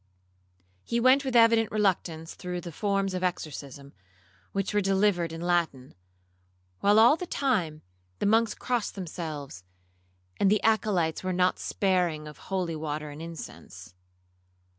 He went with evident reluctance through the forms of exorcism, which were delivered in Latin, while all the time, the monks crossed themselves, and the Acolytes were not sparing of holy water and of incense.